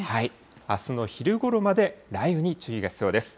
あすの昼ごろまで雷雨に注意が必要です。